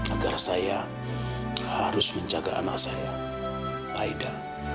agar saya harus menjaga anak saya aida